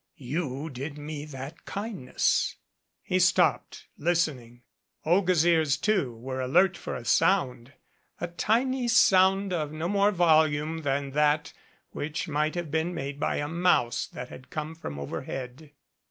You did me that kindness." He stopped, listening. Olga's ears, too, were alert for a sound a tiny sound of no more volume than that which might have been made by a mouse that had come from overhead.